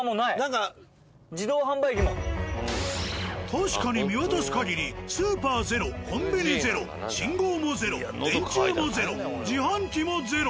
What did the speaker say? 確かに見渡す限りスーパーゼロコンビニゼロ信号もゼロ電柱もゼロ自販機もゼロ。